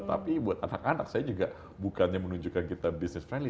tapi buat anak anak saya juga bukannya menunjukkan kita business friendl